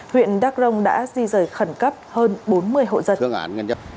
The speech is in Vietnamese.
huyện đắc rông đã di rời khẩn cấp hơn bốn mươi hộ dân